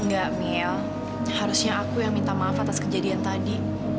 gak mil harusnya aku yang minta maaf atas kejadian tadi